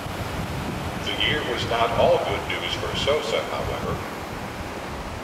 The year was not all good news for Sosa, however.